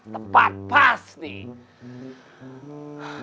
tempat pas nih